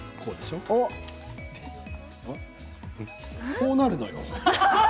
こうなるのよ。